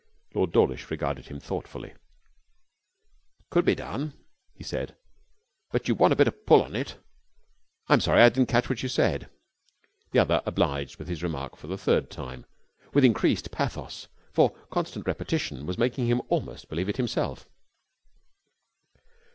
Lord Dawlish regarded him thoughtfully. 'It could be done,' he said, 'but you'd want a bit of pull on it. I'm sorry; I didn't catch what you said.' The other obliged with his remark for the third time, with increased pathos, for constant repetition was making him almost believe it himself.